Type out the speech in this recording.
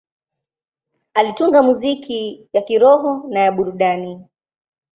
Alitunga muziki ya kiroho na ya burudani.